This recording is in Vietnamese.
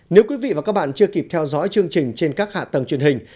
nếu quý vị và các bạn chưa kịp theo dõi chương trình trên các hạ tầng truyền hình